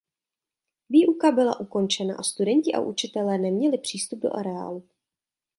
Výuka byla ukončena a studenti a učitelé neměli přístup do areálu.